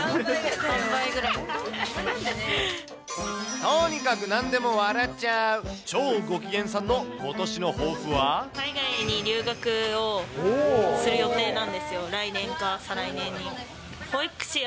とにかくなんでも笑っちゃう、海外に留学をする予定なんですよ、来年か再来年には。